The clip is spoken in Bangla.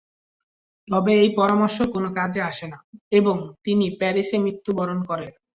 তবে এই পরামর্শ কোন কাজে আসে না এবং তিনি প্যারিসে মৃত্যুবরণ করেন।